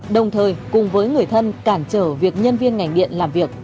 đồng thời cùng với người thân cản trở việc nhân viên ngành điện làm việc